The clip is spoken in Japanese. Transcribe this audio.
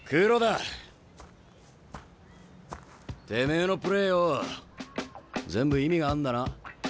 てめえのプレーよぉ全部意味があんだな。